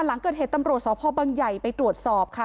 หลังเกิดเหตุตำรวจสพบังใหญ่ไปตรวจสอบค่ะ